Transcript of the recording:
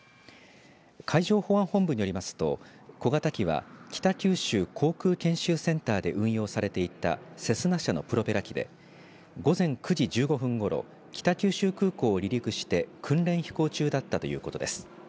海上保安本部によりますと小型機は北九州航空研修センターで運用されていたセスナ社のプロペラ機で午前９時１５分ごろ北九州空港を離陸して訓練飛行中だったということです。